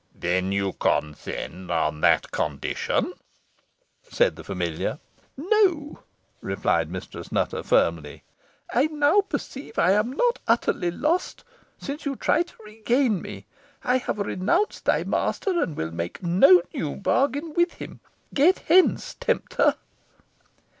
"Then you consent on that condition?" said the familiar. "No!" replied Mistress Nutter, firmly. "I now perceive I am not utterly lost, since you try to regain me. I have renounced thy master, and will make no new bargain with him. Get hence, tempter!"